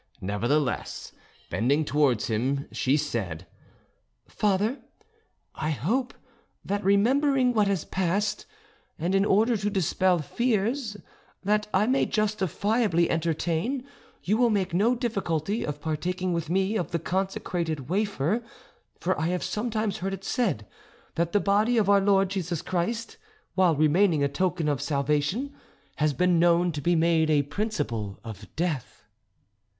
Nevertheless, bending towards him, she said, "Father, I hope that, remembering what has passed, and in order to dispel fears that—I may justifiably entertain, you will make no difficulty of partaking with me of the consecrated wafer; for I have sometimes heard it said that the body of our Lord Jesus Christ, while remaining a token of salvation, has been known to be made a principle of death."